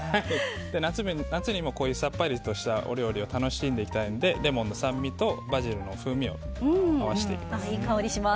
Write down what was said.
夏にもこういうさっぱりとしたお料理を楽しんでいきたいのでレモンの酸味とバジルの風味を合わせていきます。